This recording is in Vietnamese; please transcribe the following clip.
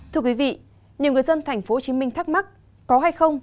thưa quý vị nhiều người dân tp hcm thắc mắc có hay không